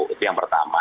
itu yang pertama